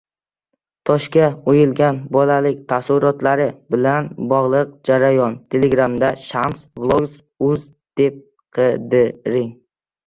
– toshga o‘yilgan bolalik taassurotlari bilan bog‘liq jarayon.